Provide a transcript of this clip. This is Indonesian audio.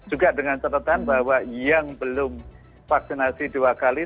juga dengan catatan bahwa yang belum vaksinasi dua kali